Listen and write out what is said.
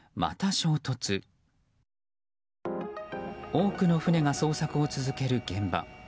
多くの船が捜索を続ける現場。